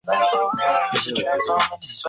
祖父许恭。